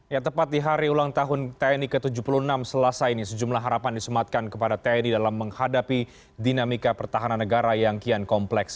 ya tepat di hari ulang tahun tni ke tujuh puluh enam selasa ini sejumlah harapan disematkan kepada tni dalam menghadapi dinamika pertahanan negara yang kian kompleks